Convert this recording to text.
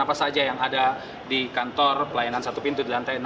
apa saja yang ada di kantor pelayanan satu pintu di lantai enam